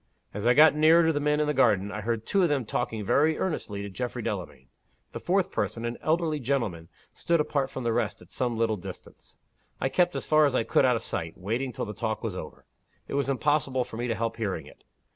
As I got nearer to the men in the garden, I heard two of them talking very earnestly to Geoffrey Delamayn. The fourth person, an elderly gentleman, stood apart from the rest at some little distance. I kept as far as I could out of sight, waiting till the talk was over. It was impossible for me to help hearing it.